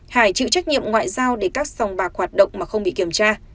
hải chịu trách nhiệm ngoại giao để các sòng bạc hoạt động mà không bị kiểm tra